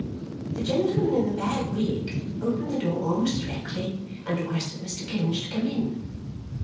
The gentleman in the bag wig opened the door almost directly and requested Mr. Kenge to come in.